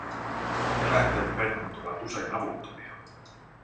Eläinten pennut ovat usein avuttomia.